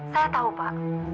saya tahu pak